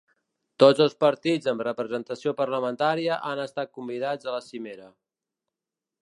Tots els partits amb representació parlamentària han estat convidats a la cimera.